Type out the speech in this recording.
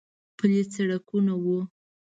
پلي سړکونه و.